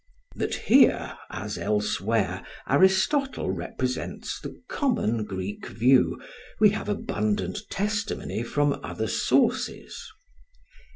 That here, as elsewhere, Aristotle represents the common Greek view we have abundant testimony from other sources.